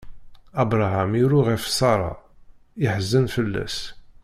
Abṛaham iru ɣef Ṣara, iḥzen fell-as.